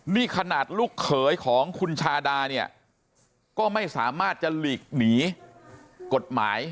นี่ขนาดลูกเขยของคุณชาดาเนี่ยก็ไม่สามารถจะหลีกหนีกฎหมาย